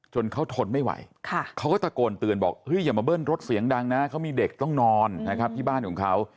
เขาทนไม่ไหวเขาก็ตะโกนเตือนบอกเฮ้ยอย่ามาเบิ้ลรถเสียงดังนะเขามีเด็กต้องนอนนะครับที่บ้านของเขา